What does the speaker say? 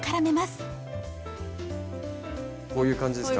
こういう感じですか？